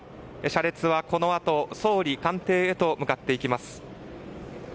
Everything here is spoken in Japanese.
車列はこのあと総理官邸へと向かっていきます。